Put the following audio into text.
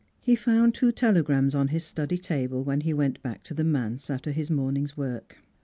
He found two telegrams on his study table when he went back to the manse after his morning's work.